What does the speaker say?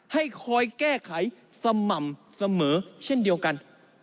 ให้คอยแก้ไขสม่ำเสมอเช่นเดียวกัน